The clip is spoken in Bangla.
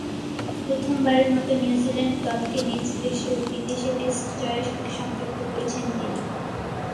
প্রথমবারের মতো নিউজিল্যান্ড দলকে নিজ দেশে ও বিদেশে টেস্ট জয়ের সাথে সম্পৃক্ত করেছেন তিনি।